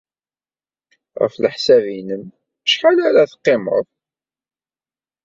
Ɣef leḥsab-nnem, acḥal ara teqqimeḍ?